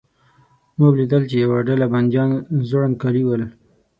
موږ لیدل چې یوه ډله بندیان زوړند کالي ول.